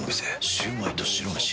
シュウマイと白めし。